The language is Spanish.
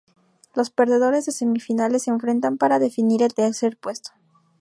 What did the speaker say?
Los perdedores de semifinales se enfrentan para definir el tercer puesto.